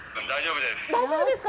大丈夫です。